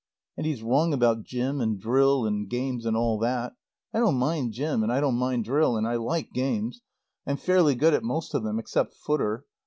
And he's wrong about gym, and drill and games and all that. I don't mind gym, and I don't mind drill, and I like games. I'm fairly good at most of them except footer.